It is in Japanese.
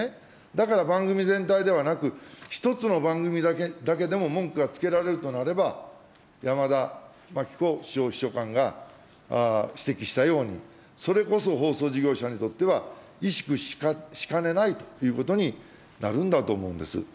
だから番組全体ではなく、１つの番組だけでも文句がつけられるとなれば、山田真貴子首相秘書官が指摘したように、それこそ放送事業者にとっては、萎縮しかねないということになるんだと思うんです。